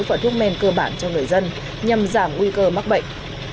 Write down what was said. và thuốc men cơ bản cho người dân nhằm giảm nguy cơ mắc bệnh